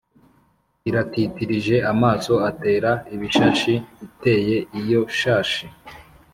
Iratitirije amaso atera ibishashi iteye iyo shashi